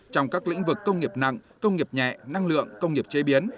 trong các lĩnh vực công nghiệp nặng công nghiệp nhẹ năng lượng công nghiệp chế biến